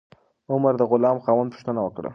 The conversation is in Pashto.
عمر د غلام د خاوند پوښتنه وکړه.